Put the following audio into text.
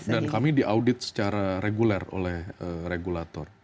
dan kami diaudit secara reguler oleh regulator